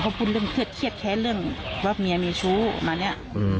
ก็พูดเรื่องเครียดแค้นเรื่องว่าเมียมีชู้มาเนี่ย